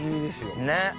ねっ。